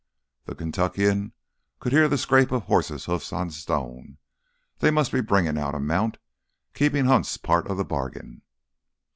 The Kentuckian could hear the scrape of horses' hoofs on stone. They must be bringing out a mount, keeping Hunt's part of the bargain.